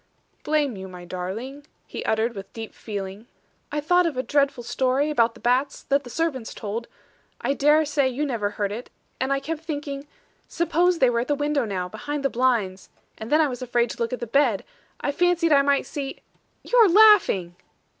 "Blame you, my darling," he uttered with deep feeling. "I thought of a dreadful story about the bats, that the servants told I dare say you never heard it; and I kept thinking. 'Suppose they were at the windows now, behind the blinds.' And then I was afraid to look at the bed; I fancied I might see you are laughing!"